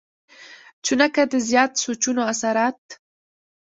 چونکه د زيات سوچونو اثرات